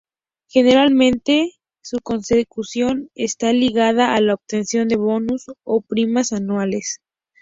Generalmente, su consecución está ligada a la obtención de bonus o primas anuales.